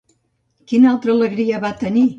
Quina altra alegria van tenir?